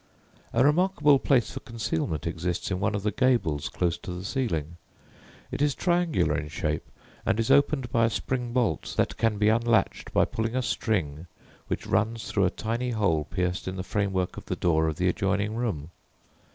A remarkable place for concealment exists in one of the gables close to the ceiling. It is triangular in shape, and is opened by a spring bolt that can be unlatched by pulling a string which runs through a tiny hole pierced in the framework of the door of the adjoining room.